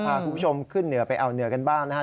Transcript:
พาคุณผู้ชมขึ้นเหนือไปเอาเหนือกันบ้างนะครับ